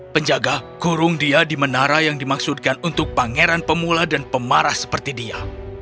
penjaga kurung dia di menara yang dimaksudkan untuk pangeran pemula dan pemarah seperti dia